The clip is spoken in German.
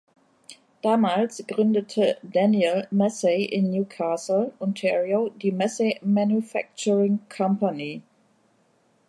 Damals gründete Daniel Massey in Newcastle, Ontario, die Massey Manufacturing Company.